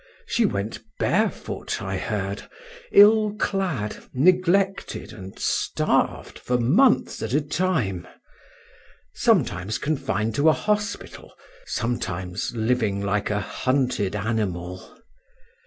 She went barefoot, I heard, ill clad, neglected, and starved for months at a time; sometimes confined to a hospital, sometimes living like a hunted animal.